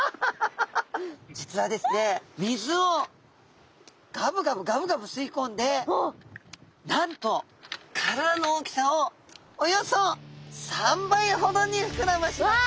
実はですね水をガブガブガブガブ吸いこんでなんと体の大きさをおよそ３倍ほどに膨らませます。